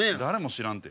知らんて。